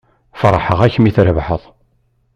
Feṛḥeɣ-ak mi trebḥeḍ.